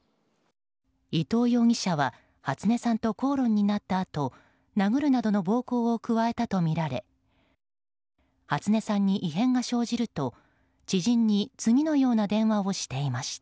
伊藤容疑者は初音さんと口論になったあと殴るなどの暴行を加えたとみられ初音さんに異変が生じると知人に次のような電話をしていました。